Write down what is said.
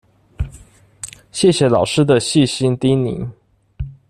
謝謝老師的細心叮嚀